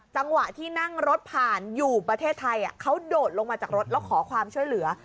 จังหวะที่นั่งรถผ่านอยู่ประเทศไทยเขาโดดลงมาจากรถแล้วขอความช่วยเหลือ